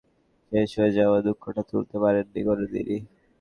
কিন্তু অকালেই cricket career শেষ হয়ে যাওয়ার দুঃখটা ভুলতে পারেননি কোনো দিনই।